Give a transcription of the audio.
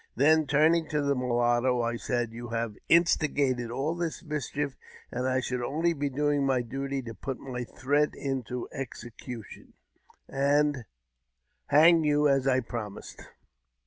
Then, turning to the mulatto, I said, You have instigated all this mischief, and I should only be doing my duty to put my threat into execution, and hang you as I promised.